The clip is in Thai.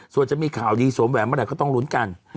ส่วนจะมีข่าวดีสวมแหวนเมื่อไหร่ก็ต้องลุ้นกัน